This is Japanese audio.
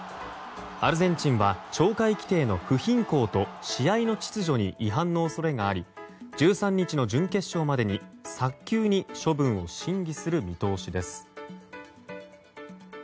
アルゼンチンは懲戒規定の不均衡と試合の秩序に違反の恐れがあり１３日の準決勝までに早急に処分を審議する見通しです。